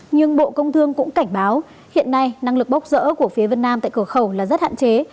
nhưng bộ công thương cũng cảnh báo hiện nay năng lực bốc rỡ của phía vân nam tại cửa khẩu là rất hạn chế